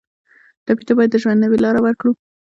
ټپي ته باید د ژوند نوې لاره ورکړو.